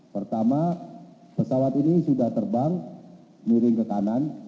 pertama pesawat ini sudah terbang miring ke kanan